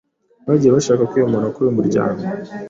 bagiye bashaka kwiyomora kuri uyu muryango